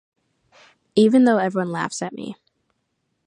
Even though everyone laughs at me.